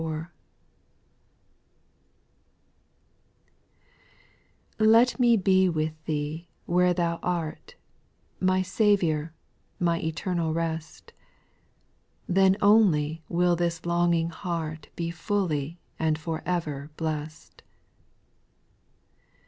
1 ET me be with Thee where Thou art, Jj My Saviour, my eternal rest ; Then only will this longing heart Be fully and for ever blest.